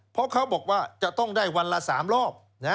เพราะเขาบอกว่าจะต้องได้วันละ๓รอบ